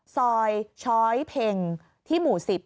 ซอยช้อยเพ็งที่หมู่๑๐